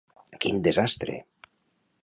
Quin desastre!